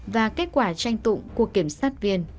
và kết quả tranh tụng của kiểm sát viên